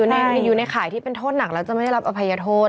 อยู่ในข่ายที่เป็นโทษหนักแล้วจะไม่ได้รับอภัยโทษ